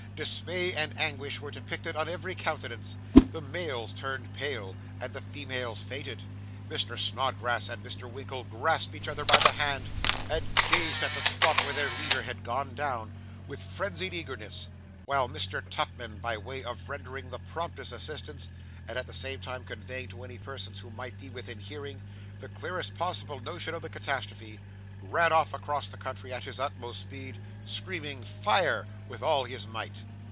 Dismay and anguish were depicted on every countenance; the males turned pale, and the females fainted; Mr. Snodgrass and Mr. Winkle grasped each other by the hand, and gazed at the spot where their leader had gone down, with frenzied eagerness; while Mr. Tupman, by way of rendering the promptest assistance, and at the same time conveying to any persons who might be within hearing, the clearest possible notion of the catastrophe, ran off across the country at his utmost speed, screaming 'Fire!' with all his might.